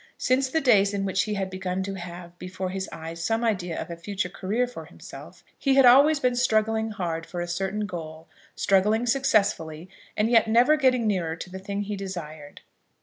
Since the days in which he had begun to have before his eyes some idea of a future career for himself, he had always been struggling hard for a certain goal, struggling successfully, and yet never getting nearer to the thing he desired.